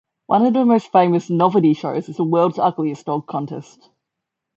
One of the most famous "novelty shows" is the World's Ugliest Dog Contest.